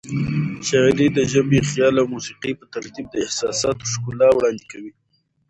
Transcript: شاعري د ژبې، خیال او موسيقۍ په ترکیب د احساساتو ښکلا وړاندې کوي.